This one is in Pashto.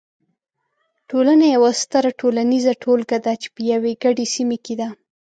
ټولنه یوه ستره ټولنیزه ټولګه ده چې په یوې ګډې سیمې کې ده.